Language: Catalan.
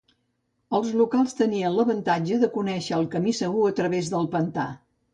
Els locals tenien l'avantatge de conèixer el camí segur a través del pantà.